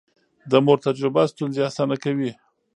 د مور تجربه ستونزې اسانه کوي.